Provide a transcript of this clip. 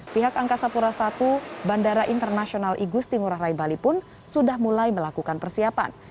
pihak angkasa pura i bandara internasional igusti ngurah rai bali pun sudah mulai melakukan persiapan